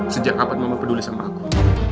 sejak kapan mama peduli sama aku